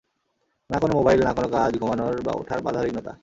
না কোন মোবাইল, না কোন কাজ, ঘুমানোর বা উঠার বাধাবিঘ্নতা।